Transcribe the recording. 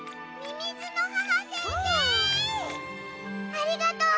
ありがとう。